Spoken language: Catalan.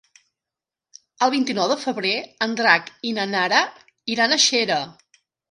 El vint-i-nou de febrer en Drac i na Nara iran a Xera.